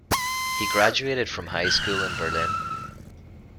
He graduated from high school in Berlin.